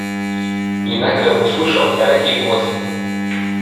I nagle usłyszał dalekie głosy.